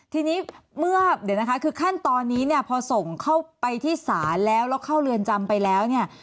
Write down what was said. ทีนี้เมื่อเดี๋ยวนะคะคือขั้นตอนนี้เนี่ยพอส่งเข้าไปที่ศาลแล้วแล้วเข้าเรือนจำไปแล้วเนี่ย